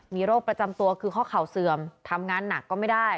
มีโรคประจำตัวคือข้อเข่าเสื่อมทำงานหนักก็ไม่ได้